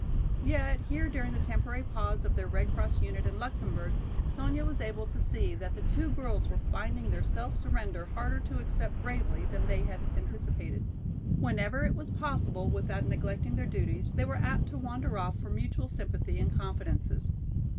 Yet here during the temporary pause of their Red Cross unit in Luxemburg, Sonya was able to see that the two girls were finding their self surrender harder to accept bravely than they had anticipated. Whenever it was possible without neglecting their duties they were apt to wander off for mutual sympathy and confidences.